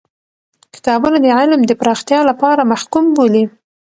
کتابونه د علم د پراختیا لپاره محکوم بولی.